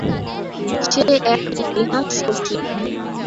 সে এক ইতিহাস শশী।